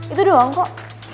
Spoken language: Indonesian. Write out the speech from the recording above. itu doang kok